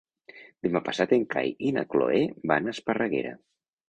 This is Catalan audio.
Demà passat en Cai i na Cloè van a Esparreguera.